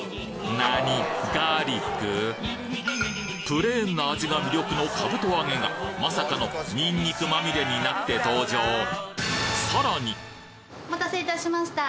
プレーンな味が魅力のかぶと揚げがまさかのニンニクまみれになって登場お待たせいたしました。